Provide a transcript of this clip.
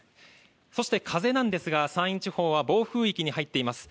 そして、風なんですが、山陰地方は暴風域に入っています。